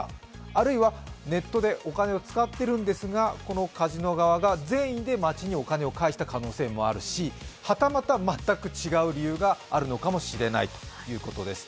あるいはネットでお金を使っているんですが、このカジノ側が善意で町にお金を返した可能性もあるし、はたまた全く違う可能性もあるのかもしれないということです。